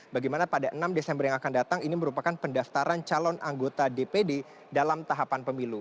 bagaimana pada enam desember yang akan datang ini merupakan pendaftaran calon anggota dpd dalam tahapan pemilu